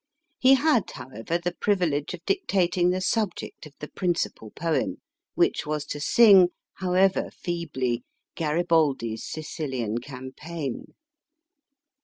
He had, however, the privilege of dictating the subject of the principal poem, which was to sing however feebly Gari baldi s Sicilian campaign.